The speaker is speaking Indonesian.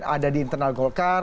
ada di internal golkar